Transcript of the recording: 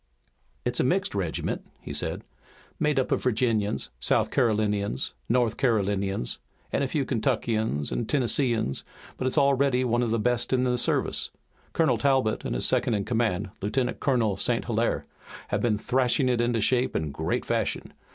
"It's a mixed regiment," he said, "made up of Virginians, South Carolinians, North Carolinians, and a few Kentuckians and Tennesseeans, but it's already one of the best in the service. Colonel Talbot and his second in command, Lieutenant Colonel St. Hilaire, have been thrashing it into shape in great fashion.